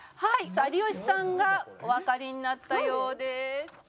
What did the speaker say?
有吉さんがおわかりになったようです。